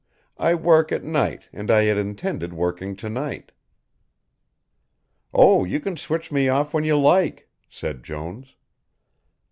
I work at night and I had intended working to night." "Oh, you can switch me off when you like," said Jones.